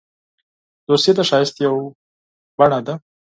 دوستي د ښایست یو شکل دی.